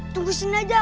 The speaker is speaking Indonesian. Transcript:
tunggu sini aja